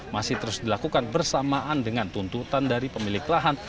masih terus dilakukan bersamaan dengan tuntutan dari pemilik lahan